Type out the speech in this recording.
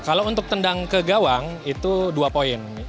kalau untuk tendang ke gawang itu dua poin